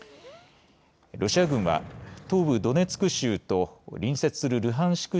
ロシア軍は東部ドネツク州と隣接するルハンシク